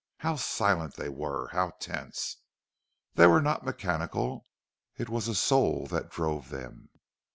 How silent they were how tense! They were not mechanical. It was a soul that drove them.